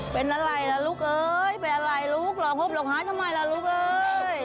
เป็นอะไรล่ะลูกเอ้ยเป็นอะไรลูกเราหุบลงท้ายทำไมล่ะลูกเอ้ย